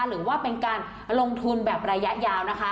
หรือว่าเป็นการลงทุนแบบระยะยาวนะคะ